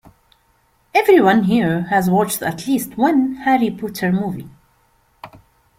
Everyone here has watched at least one harry potter movie.